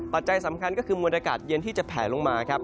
ปัจจัยสำคัญก็คือมวลอากาศเย็นที่จะแผลลงมาครับ